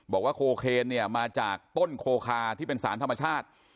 บอกว่าโคเคนเนี่ยมาจากต้นโคคาที่เป็นสารธรรมชาติ